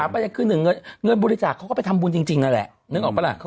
พูดเงินดี้เลยล่ะ